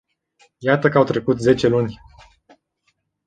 Iată că au trecut zece luni.